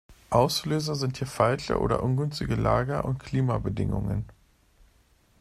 Auslöser sind hier falsche oder ungünstige Lager- und Klimabedingungen.